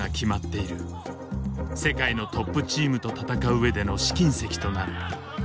世界のトップチームと戦う上での試金石となる。